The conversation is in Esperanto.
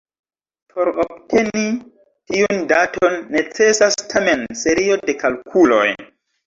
Por obteni tiun daton necesas tamen serio de kalkuloj.